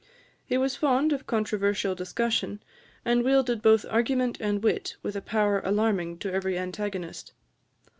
He was fond of controversial discussion, and wielded both argument and wit with a power alarming to every antagonist.